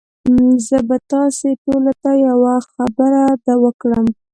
زه به تاسي ټوله ته یوه خبره وکړم